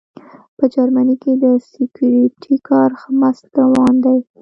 په جرمني کې د سیکیورټي کار ښه مست روان دی